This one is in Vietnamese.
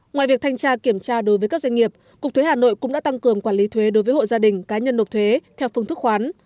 ngoài việc thanh tra kiểm tra đối với các doanh nghiệp cục thuế hà nội cũng đã tăng cường quản lý thuế đối với hộ gia đình cá nhân nộp thuế theo phương thức khoán